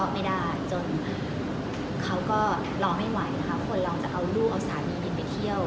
ไม่ได้จนเขาก็รอไม่ไหวนะคะคนเราจะเอาลูกเอาสามีไปเที่ยว